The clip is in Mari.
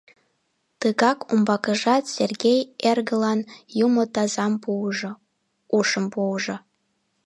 Тыгак умбакыжат Сергей эргылан юмо тазам пуыжо, ушым пуыжо.